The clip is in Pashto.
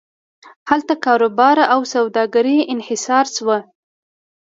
هلته کاروبار او سوداګري انحصار شوه.